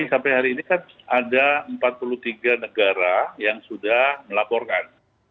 sampai hari ini kan ada empat puluh tiga negara yang sudah melaporkan